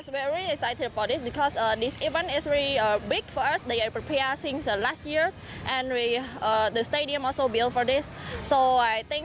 มันเป็นแบบรวมหลังทุกเดินทางที่สุดยอดร้วมกับเส้นทาง